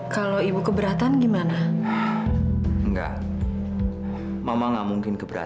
sampai jumpa di video selanjutnya